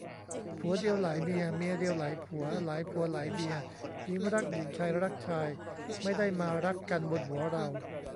ผัวเดียวหลายเมีย เมียเดียวหลายผัว หลายผัวหลายเมีย หญิงรักหญิง ชายรักชาย ไม่ได้มารักกันบนหัวเรา